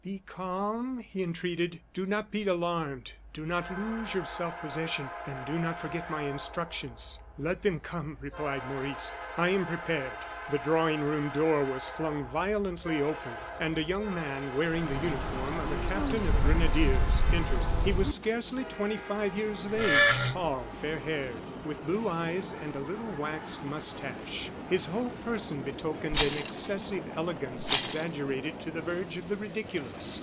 "Be calm," he entreated; "do not be alarmed. Do not lose your self possession and do not forget my instructions." "Let them come," replied Maurice. "I am prepared!" The drawing room door was flung violently open, and a young man, wearing the uniform of a captain of grenadiers, entered. He was scarcely twenty five years of age, tall, fair haired, with blue eyes and little waxed mustache. His whole person betokened an excessive elegance exaggerated to the verge of the ridiculous.